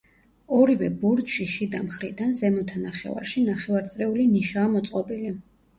ორივე ბურჯში, შიდა მხრიდან, ზემოთა ნახევარში, ნახევარწრიული ნიშაა მოწყობილი.